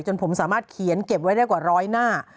จนผมสามารถเขียนเก็บไว้ได้กว่าร้อยหน้า